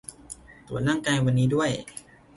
ตรวจร่างกาย วันนี้ด้วย